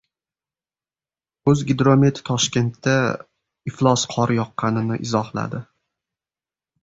"O‘zgidromet" Toshkentda iflos qor yoqqanini izohladi